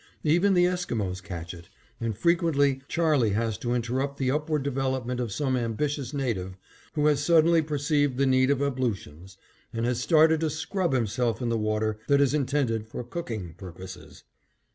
Even the Esquimos catch it, and frequently Charley has to interrupt the upward development of some ambitious native, who has suddenly perceived the need of ablutions, and has started to scrub himself in the water that is intended for cooking purposes.